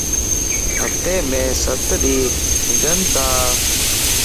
ھفتي مَ ستَ ڏينھن ھونجنتا